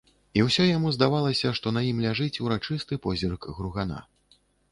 І ўсё яму здавалася, што на ім ляжыць урачысты позірк гругана.